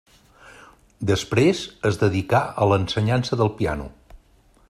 Després es dedicà a l'ensenyança del piano.